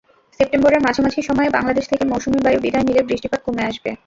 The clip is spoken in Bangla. সেপ্টেম্বরের মাঝামাঝি সময়ে বাংলাদেশ থেকে মৌসুমি বায়ু বিদায় নিলে বৃষ্টিপাত কমে আসবে।